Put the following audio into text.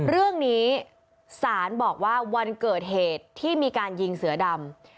เรื่องนี้ศาลบอกว่าวันเกิดเหตุที่มีการยิงเสือดำ